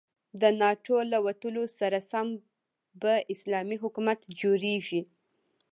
د ناتو له وتلو سره سم به اسلامي حکومت جوړيږي.